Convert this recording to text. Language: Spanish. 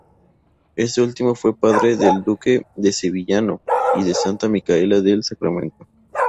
Este último fue padre del duque de Sevillano y de Santa Micaela del Sacramento.